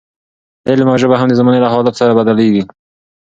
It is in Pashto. علم او ژبه هم د زمانې له حالاتو سره بدلېږي.